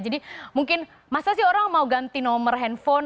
jadi mungkin masa sih orang mau ganti nomor handphone